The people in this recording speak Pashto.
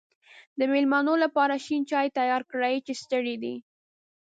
د مېلمنو لپاره شین چای تیار کړی چې ستړی دی.